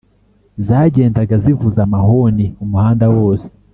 zagendaga zivuza amahoni. umuhanda wose